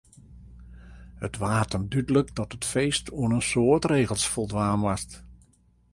It waard him dúdlik dat it feest oan in soad regels foldwaan moast.